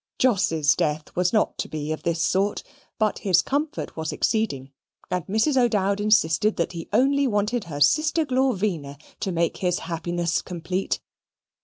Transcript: Jos's death was not to be of this sort, but his comfort was exceeding, and Mrs. O'Dowd insisted that he only wanted her sister Glorvina to make his happiness complete.